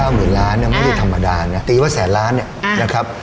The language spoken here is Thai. หมื่นล้านไม่ได้ธรรมดานะตีว่าแสนล้านเนี่ยนะครับ